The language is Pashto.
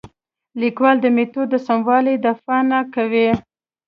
لیکوال د میتود د سموالي دفاع نه کوي.